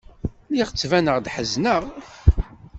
Lliɣ ttbaneɣ-d ḥezneɣ.